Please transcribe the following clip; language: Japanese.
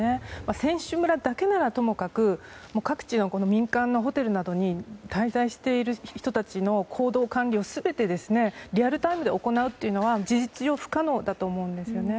選手村だけならともかく各地の民間のホテルなどに滞在している人たちの行動管理を全てリアルタイムで行うのは事実上不可能だと思うんですね。